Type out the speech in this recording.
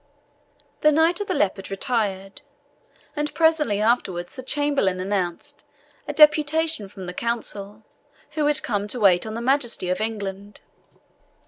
The Knight of the Leopard retired, and presently afterwards the chamberlain announced a deputation from the Council, who had come to wait on the Majesty of England.